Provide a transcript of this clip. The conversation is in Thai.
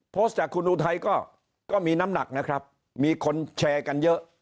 โพสต์จากคุณอุทัยก็มีน้ำหนักนะครับมีคนแชร์กันเยอะ